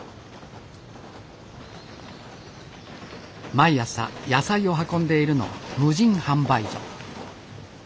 毎朝野菜を運んでいるのは無人販売所。